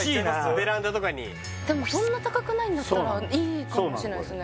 ベランダとかにでもそんな高くないんだったらいいかもしれないですね